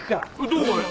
どこへ？